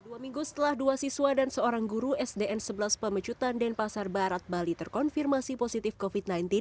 dua minggu setelah dua siswa dan seorang guru sdn sebelas pemecutan denpasar barat bali terkonfirmasi positif covid sembilan belas